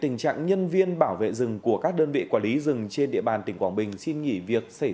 nhân viên bảo vệ rừng của các đơn vị quản lý rừng trên địa bàn tỉnh quảng bình xin nghỉ việc xảy